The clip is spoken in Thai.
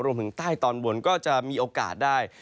รวมถึงใต้ตอนบนก็จะมีโอกาสได้